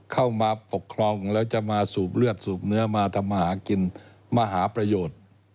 เข้ามาปกครองแล้วจะมาสูบเลือดสูบเนื้อมาทำอาหารกินมาหาประโยชน์